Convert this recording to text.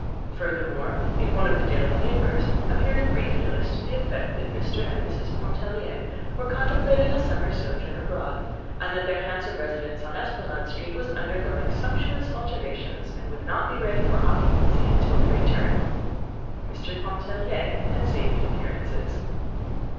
Furthermore, in one of the daily papers appeared a brief notice to the effect that Mr. and Mrs. Pontellier were contemplating a summer sojourn abroad, and that their handsome residence on Esplanade Street was undergoing sumptuous alterations, and would not be ready for occupancy until their return. Mr. Pontellier had saved appearances!